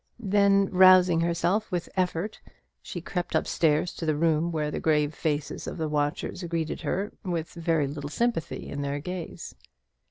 Then, rousing herself with effort, she crept up stairs to the room where the grave faces of the watchers greeted her, with very little sympathy in their gaze.